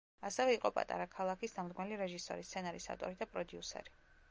ასევე იყო „პატარა ქალაქის“ დამდგმელი რეჟისორი, სცენარის ავტორი და პროდიუსერი.